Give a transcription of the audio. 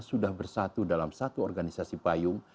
sudah bersatu dalam satu organisasi payung